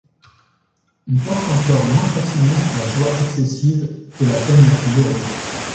On porte encore moins facilement la joie excessive que la peine la plus lourde.